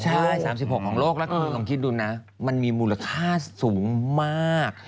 ใช่๓๖ของโลกแล้วคุณลองคิดดูนะมันมีมูลค่าสูงมาก